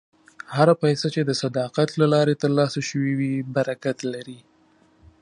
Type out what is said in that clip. هره پیسه چې د صداقت له لارې ترلاسه شوې وي، برکت لري.